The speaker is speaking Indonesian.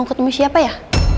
mau ketemu siapa ya